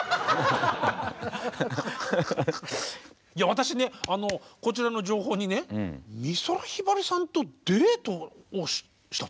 私ねこちらの情報にね美空ひばりさんとデートをしたって。